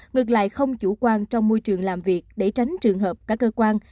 ngược lại không chủ quan trong môi trường làm việc để tránh trường hợp cả cơ quan